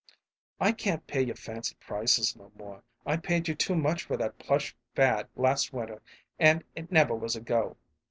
"I can't pay your fancy prices no more. I paid you too much for that plush fad last winter, and it never was a go."